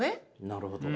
なるほど。